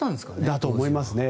だと思いますね。